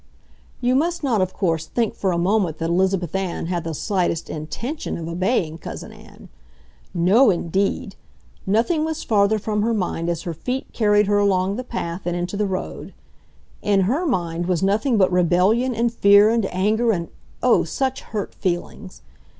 You must not, of course, think for a moment that Elizabeth Ann had the slightest INTENTION of obeying Cousin Ann. No indeed! Nothing was farther from her mind as her feet carried her along the path and into the road. In her mind was nothing but rebellion and fear and anger and oh, such hurt feelings!